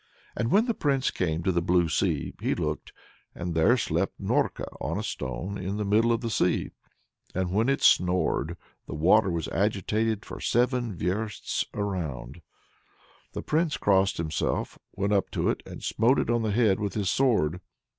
And when the Prince came to the blue sea, he looked there slept Norka on a stone in the middle of the sea; and when it snored, the water was agitated for seven versts around. The Prince crossed himself, went up to it and smote it on the head with his sword.